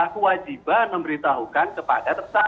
kewajiban memberitahukan kepada tersangka